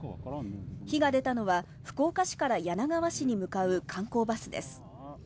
火が出たのは福岡市から柳川市に向かう観光バスです。